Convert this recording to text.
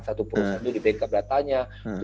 satu prosesnya di backup datanya